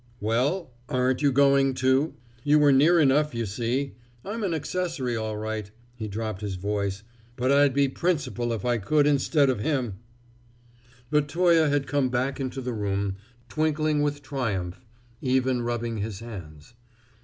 "Well? Aren't you going, too? You were near enough, you see! I'm an accessory all right" he dropped his voice "but I'd be principal if I could instead of him!" But Toye had come back into the room, twinkling with triumph, even rubbing his hands.